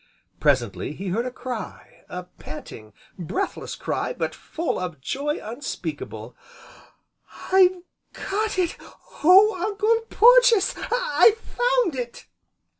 Presently he heard a cry, a panting, breathless cry, but full of a joy unspeakable: "I've got it! Oh, Uncle Porges I've found it!"